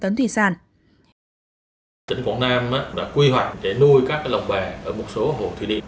tỉnh quảng nam đã quy hoạch để nuôi các lồng bè ở một số hồ thủy điện